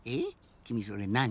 きみそれなに？